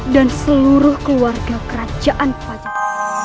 dan seluruh keluarga kerajaan pajak